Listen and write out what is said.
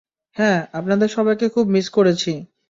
হ্যাঁ, আপনাদের সবাইকে খুব মিস করেছি!